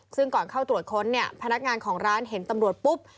ซึ่งก่อนเข้าตรวจค้นเนี่ยพนักงานของร้านเห็นตำรวจปุ๊บ